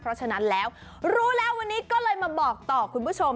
เพราะฉะนั้นแล้วรู้แล้ววันนี้ก็เลยมาบอกต่อคุณผู้ชม